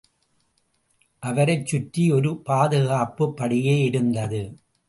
அவரைச் சுற்றி ஒரு பாதுகாப்புப் படையே இருந்தது.